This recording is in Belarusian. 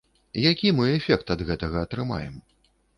Які мы эфект ад гэтага атрымаем?